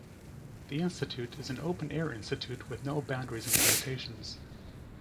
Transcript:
The institute is an open-air institute with no boundaries and limitations.